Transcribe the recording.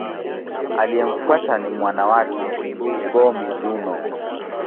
Aliyemfuata ni mwana wake, Go-Mizunoo.